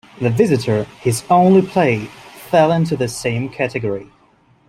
"The Visitor", his only play, fell into the same category.